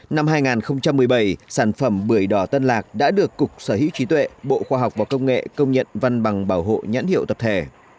năm hai nghìn một mươi bảy sản phẩm bưởi đỏ tân lạc đã được cục sở hữu trí tuệ bộ khoa học và công nghệ công nhận văn bằng bảo hộ nhãn hiệu tập thể